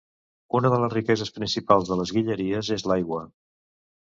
Una de les riqueses principals de les Guilleries és l'aigua.